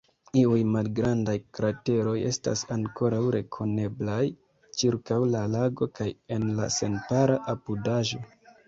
Iuj malgrandaj krateroj estas ankoraŭ rekoneblaj ĉirkaŭ la lago kaj en la senpera apudaĵo.